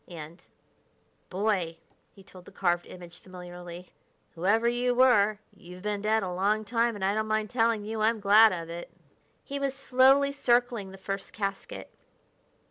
And, "Boy," he told the carved image familiarly, "whoever you were, you've been dead a long time, and I don't mind telling you I'm glad of it." He was slowly circling the first casket.